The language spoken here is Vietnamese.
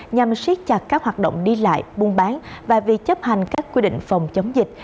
nhằm siết chặt các hoạt động đi lại buôn bán và việc chấp hành các quy định phòng chống dịch